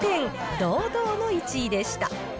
堂々の１位でした。